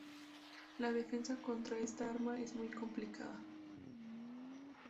La defensa contra esta arma es muy complicada.